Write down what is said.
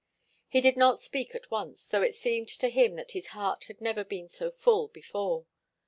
He did not speak at once, though it seemed to him that his heart had never been so full before.